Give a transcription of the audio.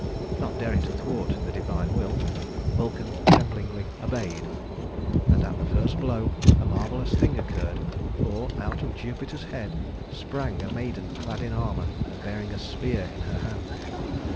Not daring to thwart the divine will, Vulcan tremblingly obeyed; and at the first blow a marvelous thing occurred, for out of Jupiter's head sprang a maiden clad in armor and bearing a spear in her hand.